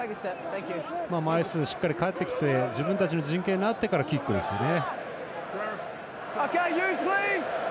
枚数、しっかり帰ってきて自分たちの陣形になってからキックですね。